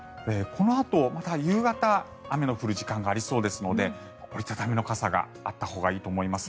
このあと、また夕方雨の降る時間がありそうですので折り畳み傘があったほうがいいと思います。